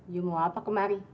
yu mau apa kemari